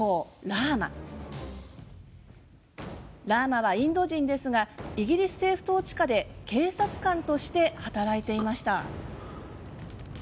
ラーマはインド人ですがイギリス政府統治下で警察官として働いていました。